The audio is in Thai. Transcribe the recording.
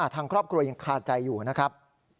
ทางครอบครัวยังคาใจอยู่นะครับ